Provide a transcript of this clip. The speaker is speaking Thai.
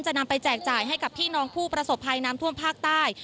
นำไปแจกจ่ายให้กับพี่น้องผู้ประสบภัยน้ำท่วมภาคใต้